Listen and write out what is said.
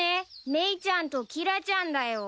メイちゃんとキラちゃんだよ。